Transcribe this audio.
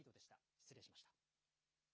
失礼しました。